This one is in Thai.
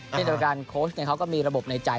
ในโดยการโค้ชเขาก็มีระบบในใจ